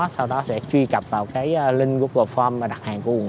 sau đó sẽ truy cập vào cái link google forms đặt hàng của quận một